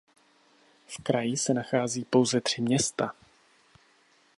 V kraji se nachází pouze tři města.